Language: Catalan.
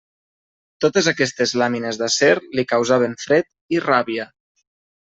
Totes aquestes làmines d'acer li causaven fred i ràbia.